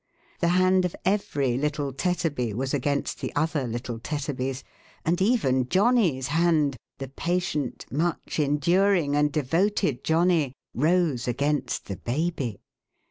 The hand of every littlr Tetterby was against the other little Tetterbys; and i\»n Johnny's hand— the patient, much enduring, and devoted Johnny— rose against the baby